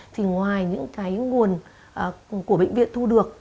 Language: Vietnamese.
thì ngoài những nguồn của bệnh viện thu được